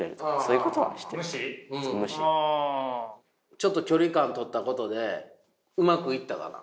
ちょっと距離感取ったことでうまくいったかな？